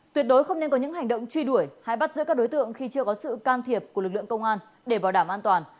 tuyệt đối không nên có những hành động truy đuổi hay bắt giữ các đối tượng khi chưa có sự can thiệp của lực lượng công an để bảo đảm an toàn